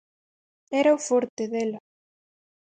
Era o forte dela.